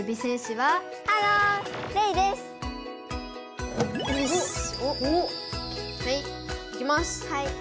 はい。